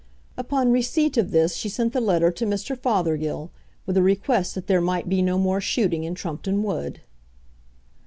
Upon receipt of this she sent the letter to Mr. Fothergill, with a request that there might be no more shooting in Trumpeton Wood.